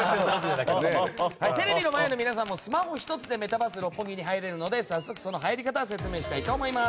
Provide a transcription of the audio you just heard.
テレビの前の皆さんもスマホ１つでメタバース六本木に入れるので早速その入り方を説明したいと思います。